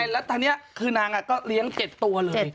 แล้วตอนนี้คือนางก็เลี้ยง๗ตัวเลย